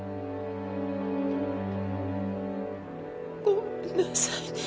ごめんなさいね。